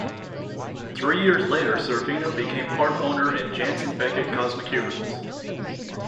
Three years later, Sorvino became part owner in Janson-Beckett Cosmeceuticals.